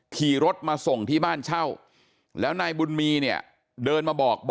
ขี่รถมาส่งที่บ้านเช่าแล้วนายบุญมีเนี่ยเดินมาบอก